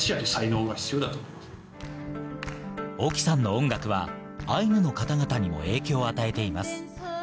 ＯＫＩさんの音楽はアイヌの方々にも影響を与えています。